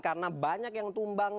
karena banyak yang tumbang